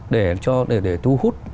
để cho để tu hút